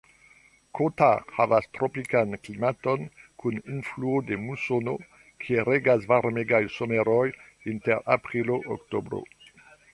Kota havas tropikan klimaton kun influo de musono, kie regas varmegaj someroj inter aprilo-oktobro.